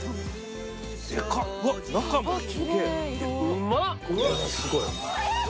うまっ！